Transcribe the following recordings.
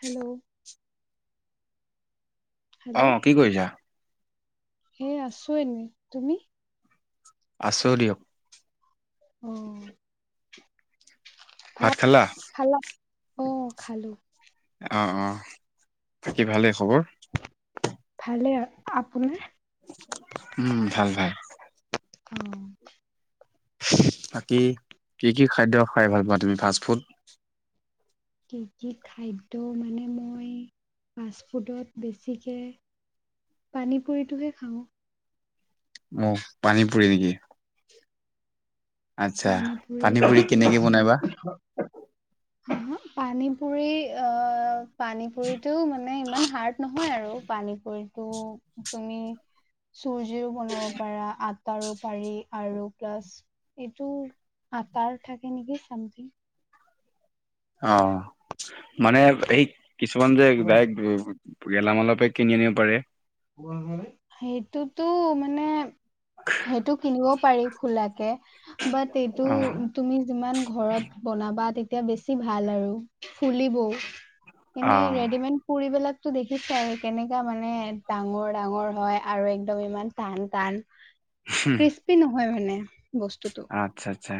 Hello অ, কি কৰিছা। হে আছো এনেই, তুমি? আচৰি দিয়ক। উম। ভাত খালা? খালা? অ' খালো। অ, অ, বাকী ভালেই খবৰ। ভালে আৰু, আপোনাৰ উম ভাল ভাল। অ, বাকী কি কি খাদ্য খাই ভাল পোৱা তুমি ফাষ্ট ফুড। কি কি খাদ্য মানে মই ফাষ্টফুডত বেছিকে পানী পুৰিটোহে খাওঁ। মোক পানী পুৰি নেকি আচ্ছা পানী পুৰি কেনেকে বনাবা পানীপুৰি হা পানী পুৰি অ' পানী পুৰিটো মানে ইমান হাৰ্ড নহয় আৰু পানী পুৰি। ত' তুমি চুজিৰো বনাব পাৰা আটাৰো পাৰি আৰু প্লাছ এইটো আটাৰ থাকে নেকি চামথিং। অ মানে এই কিছুমান যে বক গেলামালৰপে কিনি আনিব পাৰে। সেইটোতো মানে সেইটো কিনিব পাৰি খোলাকে। বাট এইটো অ তুমি যিমান ঘৰত বনাবা এতিয়া বেছি ভাল আৰু ফুলিবও, অ এনেই ৰেডিমেড পুৰিবিলাক দেখিছাই কেনেকা মানে ডাঙৰ ডাঙৰ হয় আৰু একদম ইমান টান টান। হুম, ক্ৰৃস্পি নহয় মানে বস্তুটো। আচ্ছা আচ্ছা,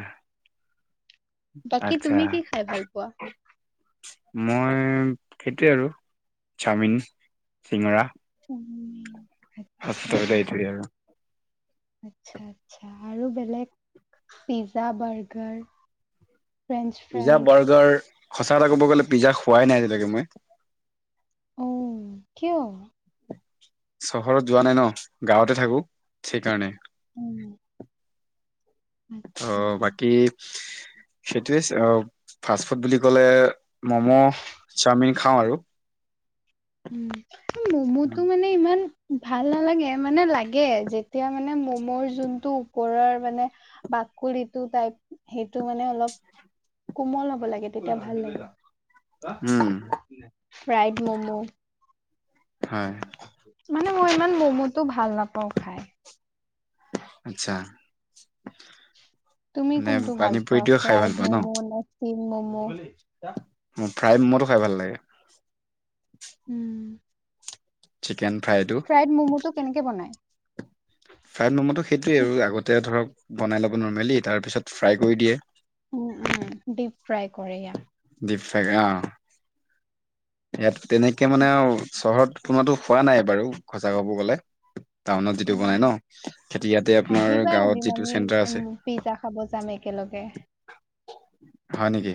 বাকী আচ্ছা। তুমি কি খাই ভাল পোৱা মই সেইটোৱে আৰু চাওমিন, চিঙৰা। চাওমিন। আচ্ছা হাস্পিতালতে এতিয়া। আচ্ছা আচ্ছা আৰু বেলেগ pizza burger French pizza fries burger সঁচা কথা ক'ব গ'লে পিজ্জা খোৱাই নাই আজিলৈকে মই অঁ, কিয়? চহৰত যোৱা নাই ন গাঁৱতে থাকো, সেইকাৰণে। উম। ত' আচ্ছা বাকী [inaudible] সেইটোৱে, ফাষ্ট ফুড বুলি ক'লে ম'ম', চাওমিন খাওঁ আৰু। উ মমোটো মানে ইমান ভাল নালাগে মানে লাগে যেতিয়া মানে মমৰ যোনটো ওপৰৰ মানে, কাকটো টাইপ সেইটো মানে অলপ কোমল হ'ব লাগে তেতিয়া ভাল লাগে। উম ফ্ৰাইড মমো হয় মানে মই ইমান মমোটো ভাল নাপাওঁ খাই। আচ্ছা তুমি মানে কোনটো ভাল পোৱা পানীপুৰিটোৱে খাই ভাল ফ্ৰাইড পোৱা মম' ন চ মম' ফ্ৰাই মোৰো খাই ভাল লাগে। উম। চিকেন ফ্ৰাইটো ফ্ৰাইড ম'মোটো কেনেকে বনাই? ফ্ৰাইড মম'টো সেইটোৱেই আৰু আগতে ধৰ বনাই লব নেলি তাৰপিছ ফ্ৰাই কৰি দিয়ে। উম উম ডিপ ফ্ৰাই কৰো। দেক আহ, ইয়াত তেনেকে মানে আৰু চহৰত কোনোবাতো হোৱা নাই বাৰু সচা ঘৰ গলে টাউনত যিটো অ', বনাই ন খেতি ইয়াতে আপোনাৰ আহিবা গাঁৱত এদিন যিটো আমি চেণ্টাৰ উম, আছে। পিজ্জা খাব যাম একেলগে। হয় নেকি?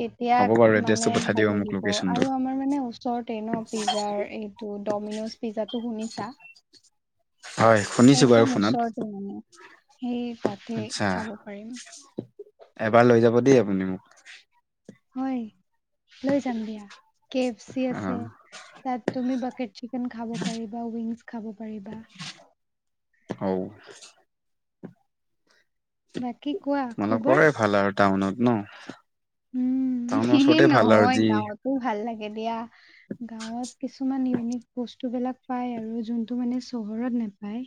তেতিয়া হ'ব বাৰু মানে এড্ৰেছটো পঠাই দিব ভাল মোক লাগিব লোকেশ্যনটো আৰু আমাৰ মানে ওচৰতে ন পিজ্জাৰ এইটো ডমিন'জ পিজ্জাটো শুনিছা। হয় শুনিছোঁ বাৰু একদম ফোনত ওশৰটো মানী সেই তাতে আচ্ছা খাব পাৰিম। এবাৰ লৈ যাব দেই আপুনি মোক, হয় লৈ যাম দিয়া কে এফ চি অ আছে। তাত তুমি বাকোৰ চিকেন খাব পাৰিবা উইংছ খাব পাৰিবা। অ' বাত নকৰে ভাল আৰু টাউনত ন? উম, টাউনৰ এ ওচৰতে ভাল আৰু নহয়। যি গাঁৱতো ভাল লাগে দিয়া। গাঁৱত কিছুমান ইউনিক বস্তুবিলাক পায় আৰু যোনটো মানে চহৰত নাপায়।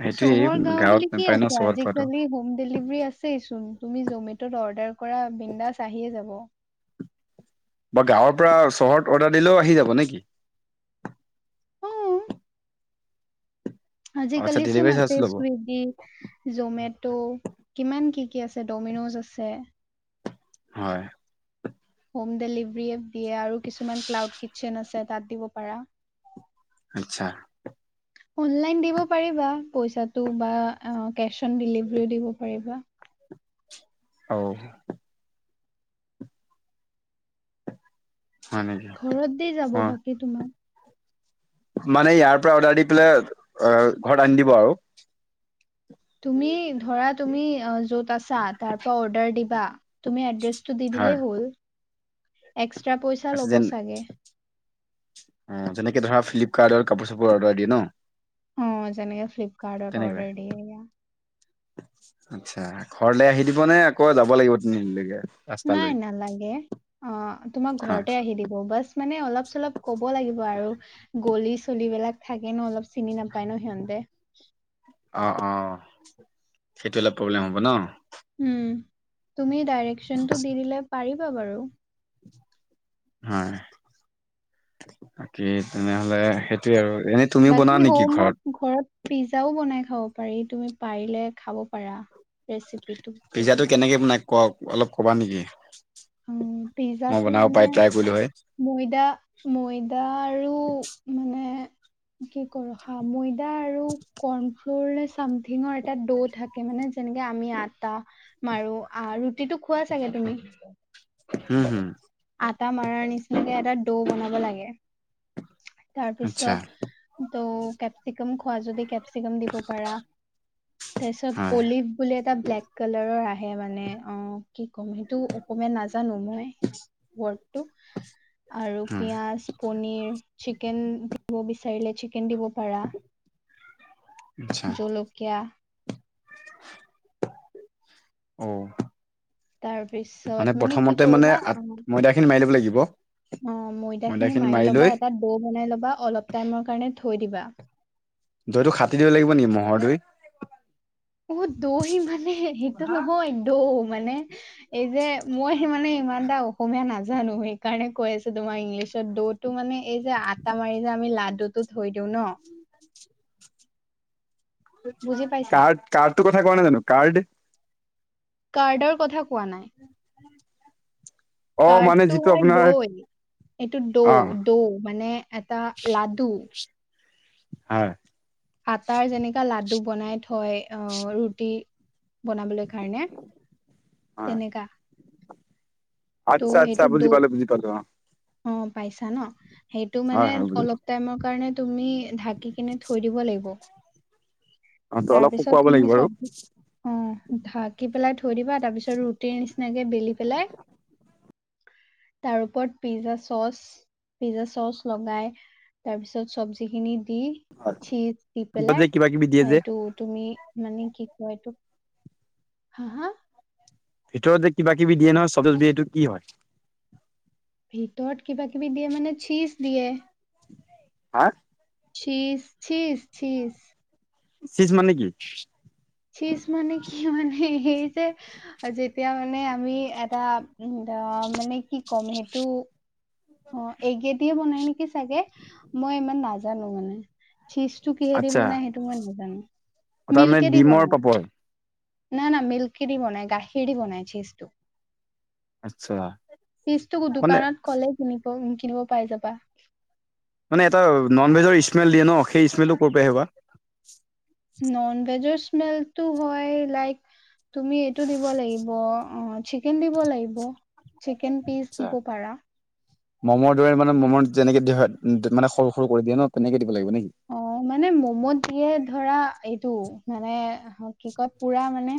সেইটোৱেই চহৰ-গাওঁ গাঁৱত বুলি কি নাপায় ন আছে? চহৰত পোৱাটো আজিকালি হোম ডেলিভাৰী আছ ছেই চোন। তুমি জ'মেটত অৰ্ডাৰ কৰা বিণ্ডাছ আহিয়ে যাব। মই গাঁৱৰ পৰা চহৰত অৰ্ডাৰ দিলেও আহি যাব নেকি? আচ্ছা আজিকালি চোন ডেলিভাৰী চাৰ্জটো আছেই ল'ব চুইগি, জ'মেটো কিমান কি কি আছে। ডমিন'জ আছে। হয়। হোম ডেলিভাৰী দিয়ে আৰু কিছুমান ক্লাউড কিটচেন আছে তাত দিব পাৰা। আচ্ছা। অনলাইন দিব পাৰিবা, পইচাটো বা কেচ অন ডেলিভাৰীও দিব পাৰিবা। [inaudible] অ'। হয় নেকি ঘৰত দি যাব অ বাকী তোমাক মানে ইয়াৰ পৰা অৰ্ডাৰ দি পেলাই আ, ঘৰত আনি দিব আৰু। তুমি ধৰা, তুমি অ', য'ত আছা তাৰ পৰা অৰ্ডাৰ দিবা। তুমি এড্ৰেছটো দি দিলেই হ'ল। এক আছে যেন, অ', যেনেকে ধৰা ফ্লিপকাৰ্টত কাপোৰ-চাপোৰ অৰ্ডাৰ দিয়ে ন? অ', যেনেকে ফ্লিপকাৰ্টত তেনেকুৱা অৰ্ডাৰ দিয়া। আচ্ছা, ঘৰলে আহি দিবনে আকৌ‌ যাব লাগিব তিনিআলি লেকে? নাই, নালাগে। অ', তোমাক হয় ঘৰতে আহি দিব। বাছ মানে অলপ-চলপ ক'ব লাগিব আৰু। গলি-চলিবিলাক থাকে ন, অলপ চিনি নাপায় ন সিহঁতে। অ', অ', সেইটো হ'লে প্ৰব্লেম হ'ব ন? উম, তুমি ডাইৰেকচনটো দি দিলে পাৰিবা বাৰু। হয়, বাকী তেনেহ'লে সেইটোয়ে আৰু। এনে তুমিও বনোৱা বাকী নেকি হোমত, ঘৰত পিজ্জাও বনাই খাব পাৰি, তুমি পাৰিলে খাব পাৰা। ৰেচিপি টো লৈ পেলাই কক অলপ ক'বা নিকি? উম, পিজ্জাটো মানে। কৰিলো হয় ময়দা, ময়দা আৰু মানে কি কয় ৰখা, ময়দা আৰু কৰ্ণফ্লৰে চামথিঙৰ এটা দৌ' থাকে মানে যেনেকে আমি আটা মাৰো, আ ৰুটিটো খোৱা চাগে তুমি? হম, হম। আটা মাৰাৰ নিচিনাকে এটা দৌ' বনাব লাগে। তাৰ আচ্ছা পিছত ত' কেপচিকম খোৱা যদি। দিব পাৰা তাৰপিছত হয় অলিভ বুললে। এটা ব্লেক কালাৰৰ আহে মানে অ', কি ক'ম, সেইটো অসমীয়া নাজা নাজানোঁ মই, ৱডটো আৰু হুম পিঁয়াজ, পনীৰ‌‌। চিকেন দিব বিচাৰিলে, চিকেন দিব পাৰা। আচ্ছা জলকীয়া। অ'। তাৰপিছত মানে কি প্ৰথমতে মানে কৰিবা অ ময়দা খিনি মাৰি লব লাগিব। অ', ময়দা ময়দাখিনি খিনি মাৰি লৈ ল'বা, এটা দৌ' বনাই ল'বা, অলপ টাইমৰ কাৰণে। থৈ দিবা। দৈতটো খাটি দিব লাগিব নেকি ম'ৰ দৈ। অ', দৈ মানে সেইটো নহয়, দৌ' মানে এই যে, মই মানে ইমান এটা অসমীয়া নাজ জানো সেইকাৰণে কৈ আছে তোমাৰ ইংলিছত দৌটো মানে এই যে আটা মাৰি যে আমি লাডু টো থ দি। [unintelligible] ন'। বুজি পাইছা কাৰ্ড কাৰ্ডটো কথা কোৱা নাই জানো কাৰ্ড। কাৰ্ডৰ কথা কোৱা নাই। অ মানে কাৰ্ডটো যিটো হয় আপোনাৰ দৈ। এইটো দৌ অ দৌ মানে এটা লাডু। হয়। আটাৰ যেনেকা লাডু বনাই থয় আহ ৰুটি। বনাবলৈ কাৰণে হয় তেনেকাা। আচ্ছা আচ্ছা বুজি পালো বুজি পালো অ'। অ পাইছা ন সেইটো মানে হয় হয় বুজি অলপ পালো টাইমৰ কাৰণে। তুমি ঢাকি কিনে থৈ দিব লাগিব। অ ত তাৰ অলপ পিছত শুকুৱাব তুমি লাগিব আৰু চব অ' ঢাকি পেলাই। থৈ দিবা তাৰপিছত ৰুটিৰ নিচিনাকে বেলি পেলাই। তাৰ ওপৰত পিজ্জা চচ। পিজ্জা চচ লগাই তাৰপিছত চবজি খিনি দি হয়। চিজ দি ভিতৰত যে পেলাই কিবা কিবি দিয়ে যে এইটো তুমি মানে কি কয় এইটো হা হা ভিতৰতে কিবা কিবি দিয়ে নহয় চবজ বিটো কি হয়? তত কিবা কিবি দিয়ে মানে চিচ দিয়ে। হা চিছ চিছ চিছ চিজ মানে কি চীজ মানে কি মানে সে যে যেতিয়া মানে আমি এটা দা মানে কি ক'ম সেইটো অ এগেদিয়ে বনাই নিকি চাগে মই ইমান নাজানো মানে চীজ টো কিহেদি বনাই সেইটো মই নাজানো তাৰমানে মিল্কেদি ডিমৰ বনাই। পাপৰ না না মিল্কিদি বনাই গাখীৰ বনাই চিজটো আচ্ছা পিছটো মানে দোকানত ক'লেই কিনিব কিনিব পাই যাবা মানে এটা নন ভেজৰ স্মেল দিয়ে ন সেই স্মেলটো কৰ পৰা আহে বা নন ভেজৰ স্মেলটো হয় লাইক তুমি এইটো দিব লাগিব অ চিকেন দিব লাগিব চিকেন পিচ আচ্ছা দিব পাৰা ম'মৰ দৰে মানে মমৰ যেনেকে দিয়া হয় মানে সৰু সৰু কৰি দিয়ে ন তেনেকে লাগিব নেকি? অ মানে মমোত দিয়ে ধৰা টো মানে কি কয় পুৰা মানে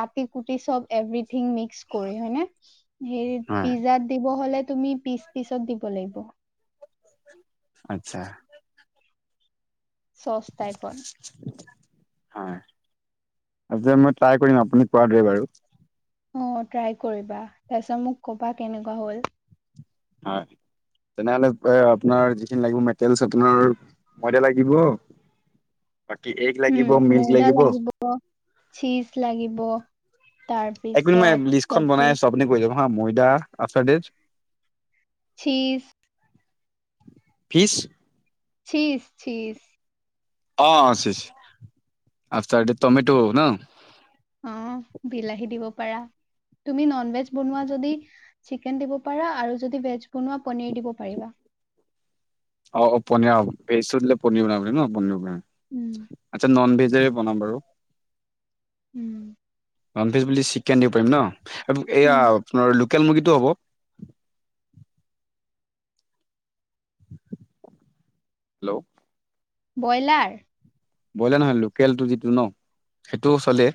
কাটি কুটি চব এভৰিথিং মিক্স কৰি হয় নে হেৰিত হয় পিজাত দিব হলে তুমি পিচ পিচত দিব লাগিব আত্ছা চচ টাইপত হয় আজিয়ে মই ট্ৰাই কৰিম আপুনি কোৱা দৰে বাৰু অ ট্ৰাই কৰিবা তাৰপিছত মোক কবা কেনেকুৱা হ'ল হয় তেনেহ'লে এ আপোনাৰ যিখিনি লাগিব মেটেলছ আপোনাৰ ময়দা লাগিব [inaudible] বাকী এগ লাগিব উম মিল্ক ময়দা লাগিব চিজ লাগিব এক মিনিট মই তাৰপিছত লিষ্টখন বনাই চবজি আছো আপুনি কৈ যাব হা ময়দা আচাৰেজ চিছ ফিচ্ চিচ্ চিচ্ অ চিচ্ আফটাৰ ডে টমেট ন অ বিলাহী দিব পাৰা তুমি নন ভেজ বনোৱা যদি চিকেন দিব পাৰা আৰু যদি ভেজ বনোৱা পনীৰ দিব পাৰিবা অ অ পনি অ ভেজটো দিলে পনিৰ বনাব পাৰি ন পনিৰ বন উম, আচ্ছা ননভেজ জে বনাম বাৰু উম নন ভেজ বুলি চিকেন দিব পাৰি ন অব এয়া উম, আপোনাৰ লোক কেল মুৰ্গীটো হ'ব হেল্ল' বইলাৰ ব্ৰইলাৰ নহয় লোকেলটো যিটো ন সেইটোও চলে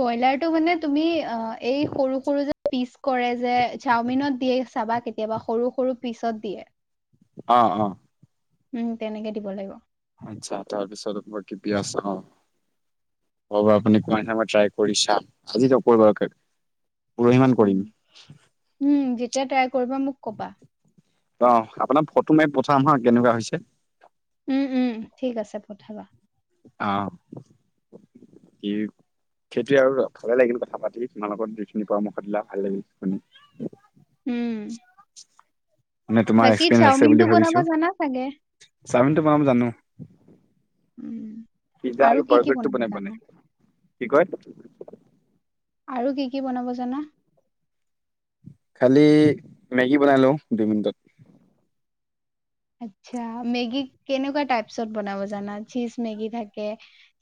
ব্ৰইলাৰটো মানে তুমি অ এই সৰু সৰু যে পিচ কৰে যে চাওমিনত দিয়ে চাবা কেতিয়াবা সৰু সৰু পিছত দিয়ে অ অ উম তেনেকে দিব লাগিব আচছা তাৰপিছত লাগিব পিয়াজ হয় হ'ব আপুনি কোৱাদৰে ট্ৰাই কৰি চাম আজি নকৰো বাৰু কা- পুৰহিমান কৰিম যেতিয়াই ট্ৰাই কৰিবা মোক ক'বা অ আপোনাক ফটো মাৰি পঠাম হা কেনেকুৱা হৈছে উম উম ঠিক আছে পঠাবা আ কি সেইটোৱে আৰু ভালে লাগিল কথা পাতি তোমাৰ লগত যিখিনি পৰামৰ্শ দিলা ভাল লাগিল শু উম, মানে তোমাৰ বাকী এক্সপৰিয়েঞ্চ আছে চাওমিনটো বুলি বনাব জানা চাগে? ভাবিছো চাওমিনটো বনাম জানো। উম। পিজ্জা আৰু কি কি বাৰ্গাৰটো বনাব বনাই জানা? বনাই কি কয়? আৰু কি কি বনাব জানা? কালি মেগী বনাই লওঁ দুই মিনিটত। মেগ কেনেন জান চজ মেগ থাকে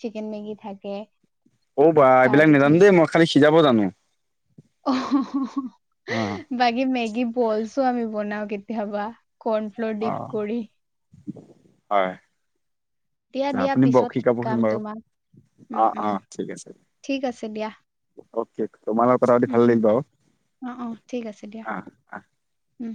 চিকন। মেগী থাকে। অ', বা এইবিলাক তাৰপিছত নেজানো দেই মই খালী সিজাব জানোঁ। বাকী মেগী বলছো আমি বনাওঁ কেতিয়াবা। কণফ্ল'ৰ অ দীপ কৰি হয়, দিয়া দিয়া আপুনি পিছত [unintelligible] শিকাব শিকাম চোন বাৰু। তোমাক উম অ', উম অ', ঠিক আছে। ঠিক আছে দিয়া অ'কে তোমাল কথাপাতি উম ভাল উম লাগিল বাৰু। অ', অ', ঠিক আছে দিয়া অ অ উম।